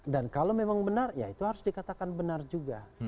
dan kalau memang benar ya itu harus dikatakan benar juga